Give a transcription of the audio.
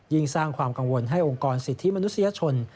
สร้างความกังวลให้องค์กรสิทธิมนุษยชน